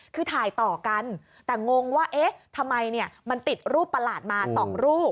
คือถ่ายต่อกันแต่งงว่าเอ๊ะทำไมมันติดรูปประหลาดมา๒รูป